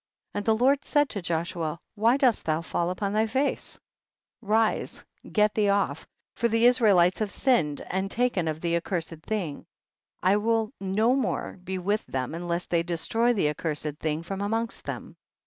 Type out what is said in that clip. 32. And the Lord said to Joshua, why dost thou fall upon thy face ? rise, get thee off, for the Israelites have sinned, and taken of the accurs ed thing ; I will no more be with them unless they destroy the accurs ed thing from amongst them.